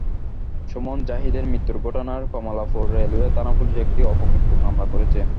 সুমন জাহিদের মৃত্যুর ঘটনায় কমলাপুর রেলওয়ে থানা পুলিশ একটি অপমৃত্যু মামলা করেছে।